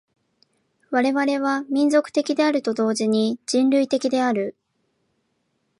我々は民族的であると同時に人類的である。